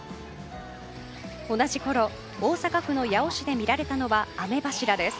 同じころ、大阪府の八尾市で見られたのは雨柱です。